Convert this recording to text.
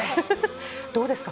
どうですか？